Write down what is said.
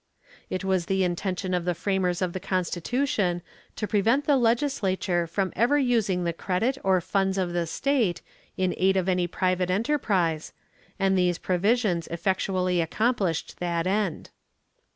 It was the intention of the framers of the constitution to prevent the legislature from ever using the credit or funds of the state in aid of any private enterprise, and these provisions effectually accomplished that end.